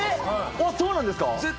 あっそうなんですか！